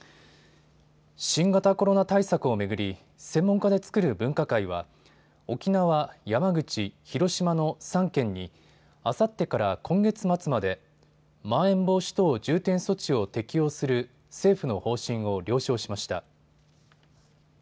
新型コロナ対策を巡り専門家で作る分科会は、沖縄、山口、広島の３県にあさってから今月末までまん延防止等重点措置を適用する政府の方針を了承しました。